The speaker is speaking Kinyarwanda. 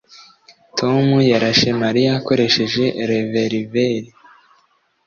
Tom yarashe Mariya akoresheje reververi